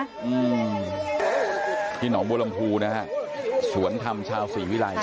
อืมที่หนองบัวลำพูนะฮะสวนธรรมชาวศรีวิรัย